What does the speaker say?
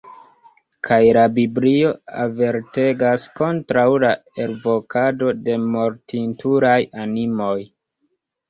Kaj la Biblio avertegas kontraŭ la elvokado de mortintulaj animoj!